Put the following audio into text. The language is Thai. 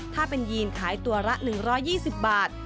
ถ้าเป็นยีนขายตัวละ๑๒๐บาท